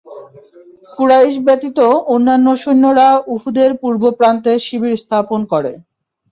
কুরাইশ ব্যতীত অন্যান্য সৈন্যরা উহুদের পূর্বপ্রান্তে শিবির স্থাপন করে।